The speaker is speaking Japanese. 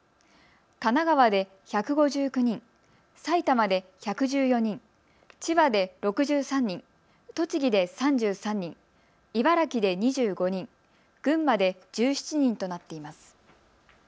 神奈川で１５９人、埼玉で１１４人、千葉で６３人、栃木で３３人、茨城で２５人、群馬で１７人となっています。